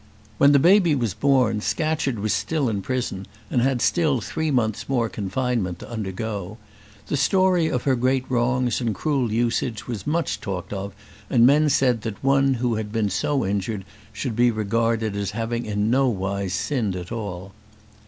When the baby was born, Scatcherd was still in prison, and had still three months' more confinement to undergo. The story of her great wrongs and cruel usage was much talked of, and men said that one who had been so injured should be regarded as having in nowise sinned at all.